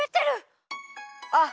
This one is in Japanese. あっ！